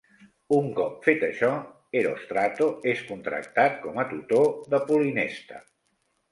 Un cop fet això, Erostrato és contractat com a tutor de Polynesta.